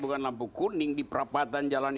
bukan lampu kuning di perabatan jalan itu